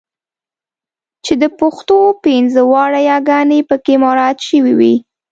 چې د پښتو پنځه واړه یګانې پکې مراعات شوې وي.